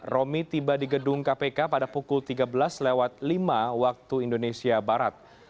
romi tiba di gedung kpk pada pukul tiga belas lima waktu indonesia barat